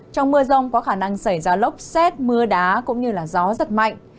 trong mưa rông có khả năng xảy ra lốc xét mưa đá cũng như gió giật mạnh